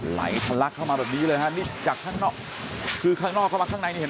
ไหลทะลักเข้ามาแบบนี้เลยฮะนี่จากข้างนอกคือข้างนอกเข้ามาข้างในนี่เห็น